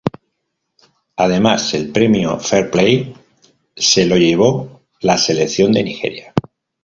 Además el premio Fair play se lo llevó la Selección de Nigeria.